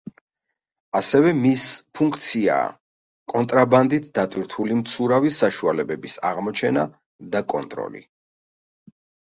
ასევე მისს ფუნქციაა კონტრაბანდით დატვირთული მცურავი საშუალებების აღმოჩენა და კონტროლი.